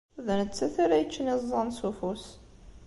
D nettat ara yeččen iẓẓan s ufus.